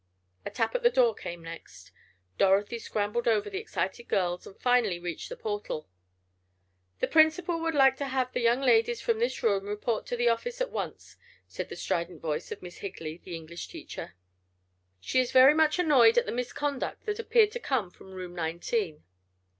A tap at the door came next. Dorothy scrambled over the excited girls, and finally reached the portal. "The principal would like to have the young ladies from this room report in the office at once," said the strident voice of Miss Higley, the English teacher. "She is very much annoyed at the misconduct that appeared to come from Room Nineteen."